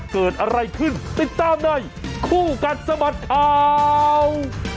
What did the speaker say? เกิดอะไรขึ้นติดตามในคู่กัดสะบัดข่าว